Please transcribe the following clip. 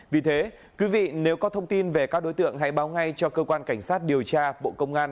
vì thế quý vị nếu có thông tin về các đối tượng hãy báo ngay cho cơ quan cảnh sát điều tra bộ công an